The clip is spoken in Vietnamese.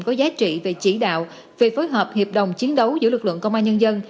có giá trị về chỉ đạo về phối hợp hiệp đồng chiến đấu giữa lực lượng công an nhân dân